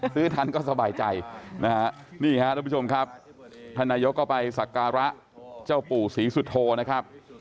ซื้อทันก็สบายใจนี่ค่ะท่านนายก็ไปสักการะเจ้าปู่สีสุธโธนะครับ